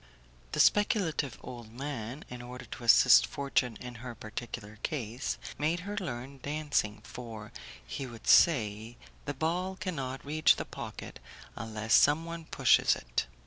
The speculative old man, in order to assist fortune in her particular case, made her learn dancing, for, he would say, the ball cannot reach the pocket unless someone pushes it.